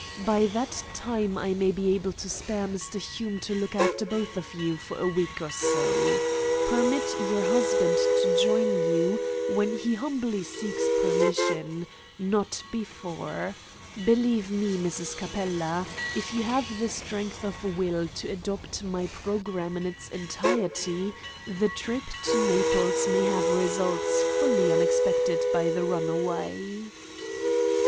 By that time I may be able to spare Mr. Hume to look after both of you for a week or so. Permit your husband to join you when he humbly seeks permission not before. Believe me, Mrs. Capella, if you have strength of will to adopt my programme in its entirety, the trip to Naples may have results wholly unexpected by the runaway."